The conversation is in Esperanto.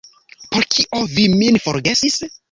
Por kio vi min forgesis?